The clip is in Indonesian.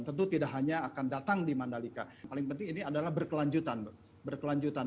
tentu tidak hanya akan datang di mandalika paling penting ini adalah berkelanjutan berkelanjutan